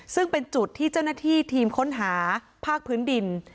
ซึ่งเป็นจุดที่เจ้าหน้าที่ทีมค้นหาภาคพื้นดิน